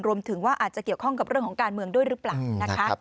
รวมถึงว่าอาจจะเกี่ยวข้องกับเรื่องของการเมืองด้วยหรือเปล่านะคะ